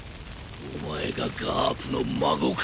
お前がガープの孫か。